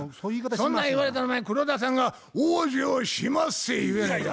そんなん言われたらお前黒田さんが「往生しまっせ」言うやないか。